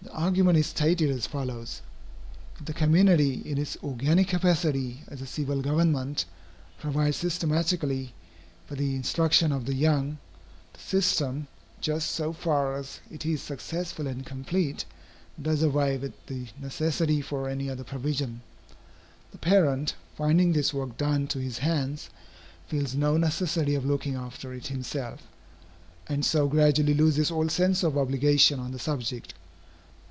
The argument is stated as follows. If the community, in its organic capacity as a civil government, provides systematically for the instruction of the young, the system, just so far as it is successful and complete, does away with the necessity for any other provision. The parent, finding this work done to his hands, feels no necessity of looking after it himself, and so gradually loses all sense of obligation on the subject.